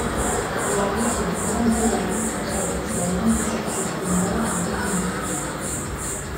La rivière Brandywine traverse la ligne de chute juste au nord de Wilmington.